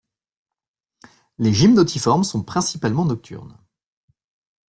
Les gymnotiformes sont principalement nocturnes.